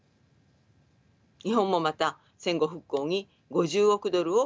日本もまた戦後復興に５０億ドルを供出しました。